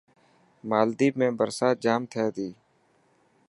مالديپ ۾ برسات جام ٿي تي.